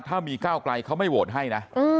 ถ้ามีก้าวไกลเขาไม่โหวตให้นะ